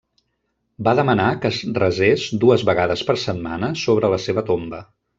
Va demanar que es resés dues vegades per setmana sobre la seva tomba.